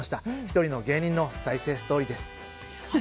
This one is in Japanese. １人の芸人の再生ストーリーです。